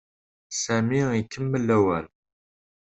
Sami ikemmel awal.